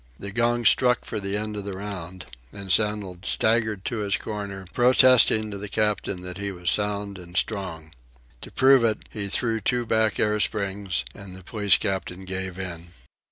The gong struck for the end of the round and Sandel staggered to his corner, protesting to the captain that he was sound and strong. To prove it, he threw two back air springs, and the police captain gave in.